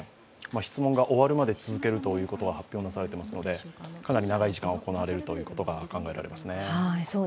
質問が終わるまで続けるということは発表がされていますのでかなり長い時間行われるということが考えられますね。